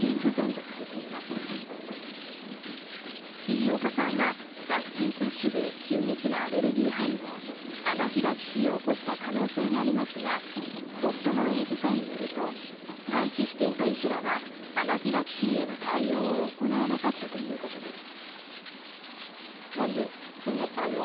飯岡さんは、ワクチン接種で急激なアレルギー反応アナフィラキシーを起こした可能性がありますが、夫の英治さんによりますと待期していた医師らは、アナフィラキシーへの対応を行わなかったということです。